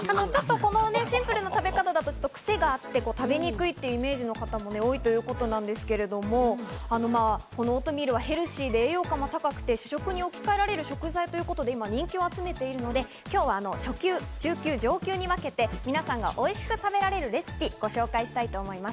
このシンプルな食べ方だと、クセがあって食べにくいというイメージの方も多いということなんですけど、このオートミールはヘルシーで栄養価も高くて主食に置き換えられる食材ということで人気を集めているので、今日は初級・中級・上級に分けて、皆さんがおいしく食べられるレシピをご紹介したいと思います。